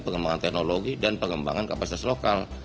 pengembangan teknologi dan pengembangan kapasitas lokal